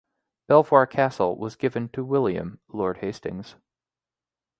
Belvoir Castle was given to William, Lord Hastings.